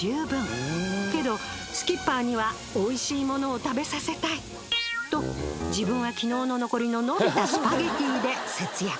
けどスキッパーにはおいしいものを食べさせたい！と自分は昨日の残りの伸びたスパゲティで節約。